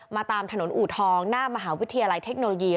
ตามถนนอูทองหน้ามหาวิทยาลัยเทคโนโลยี